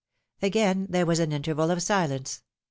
301 Again there was an interval of silence.